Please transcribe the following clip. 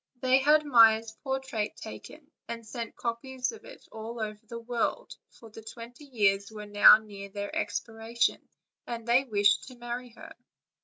They had Maia's portrait taken, and sent copies of it all over the world; for the twenty years were now near their expiration, and they wished to marry her.